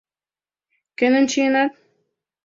Кӧным чиенат?